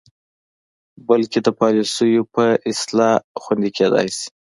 بلکې د پالسیو په اصلاح خوندې کیدلې شي.